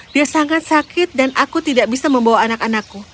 dia sangat sakit dan aku tidak bisa membawa anak anakku